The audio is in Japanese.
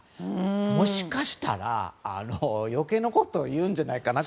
もしかしたら、余計なことを言うんじゃないかなと。